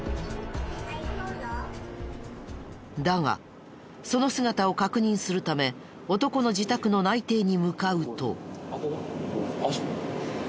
だがその姿を確認するため男の自宅の内偵に向かうと。